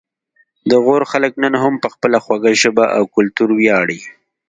د غور خلک نن هم په خپله خوږه ژبه او کلتور ویاړي